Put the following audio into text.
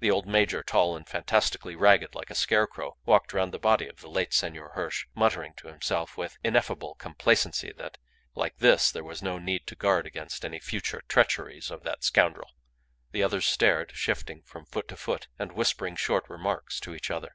The old major, tall and fantastically ragged like a scarecrow, walked round the body of the late Senor Hirsch, muttering to himself with ineffable complacency that like this there was no need to guard against any future treacheries of that scoundrel. The others stared, shifting from foot to foot, and whispering short remarks to each other.